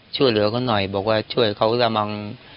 ช่วยเหลือเขาหน่อยบอกว่าช่วยเขาก็จะมัง